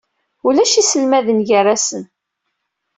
Ulac iselmaden gar-asen.